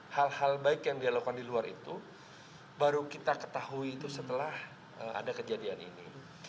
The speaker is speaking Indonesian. hal hal baik yang dia lakukan di luar itu baru kita ketahui itu setelah ada kejadian ini